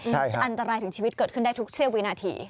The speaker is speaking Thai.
อันตรายถึงชีวิตเกิดขึ้นได้ทุกเสี้ยววินาที